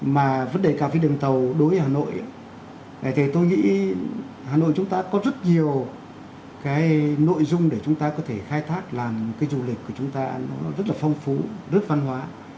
mà vấn đề cà phê đường tàu đối với hà nội thì tôi nghĩ hà nội chúng ta có rất nhiều cái nội dung để chúng ta có thể khai thác làm cái du lịch của chúng ta nó rất là phong phú rất văn hóa